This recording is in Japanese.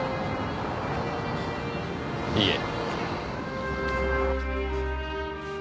いいえ。